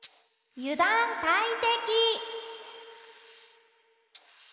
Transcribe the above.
油断大敵。